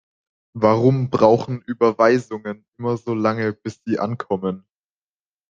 Warum brauchen Überweisungen immer so lange, bis sie ankommen?